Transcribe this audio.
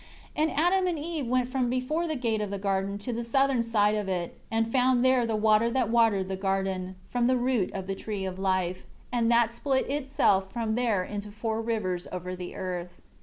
2 And Adam and Eve went from before the gate of the garden to the southern side of it, and found there the water that watered the garden, from the root of the Tree of Life, and that split itself from there into four rivers over the earth.